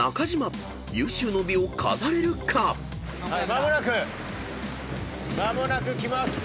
間もなく間もなく来ます。